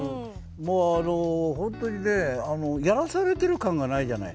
もうホントにねやらされてる感がないじゃない。